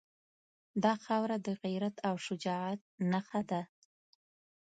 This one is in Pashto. دا خاوره د غیرت او شجاعت نښه ده.